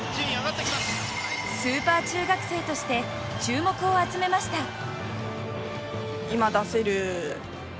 スーパー中学生として注目を集めました。